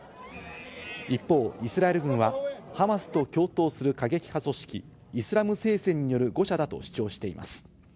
一方、イスラエル軍はハマスと共闘する過激派組織・イスラム聖戦による誤射だと主張しています。